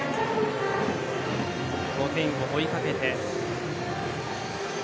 ５点を追いかけて。